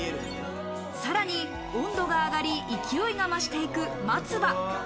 さらに温度が上がり、勢いが増していく松葉。